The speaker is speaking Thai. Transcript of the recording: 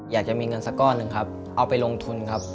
อยากจะมีเงินสักก้อนหนึ่งครับเอาไปลงทุนครับ